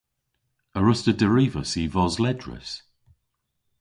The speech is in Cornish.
A wruss'ta derivas y vos ledrys?